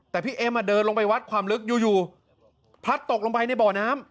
แต่พี่เอ็มเดินลงไปวัดความลึกอยู่พลัดตกลงไปในบ่อน้ำ